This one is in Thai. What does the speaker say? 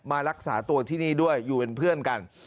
มารักษาตัวที่นี่ด้วยอยู่เป็นเพื่อนกัน